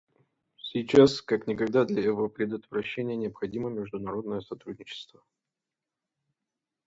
Сейчас как никогда для его предотвращения необходимо международное сотрудничество.